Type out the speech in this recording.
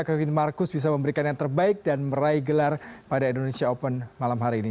kevin marcus bisa memberikan yang terbaik dan meraih gelar pada indonesia open malam hari ini